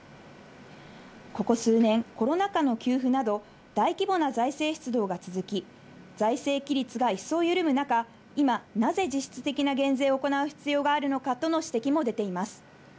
ここ数年、コロナ禍の給付など、大規模な財政出動が続き、財政規律が一層緩む中、今、なぜ実質的な減税を行う必要があるのかとの指摘も出ています。